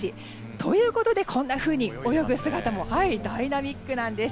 ということで泳ぐ姿もダイナミックなんです。